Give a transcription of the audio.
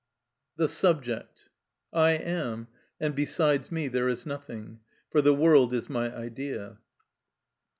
The Subject. I am, and besides me there is nothing. For the world is my idea.